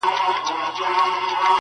چوروندک سو، پاچهي سوه، فرمانونه.!